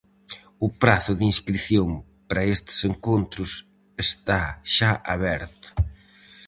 O prazo de inscrición para estes encontros está xa aberto.